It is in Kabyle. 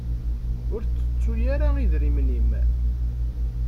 Ur tettu ara idrimen-im.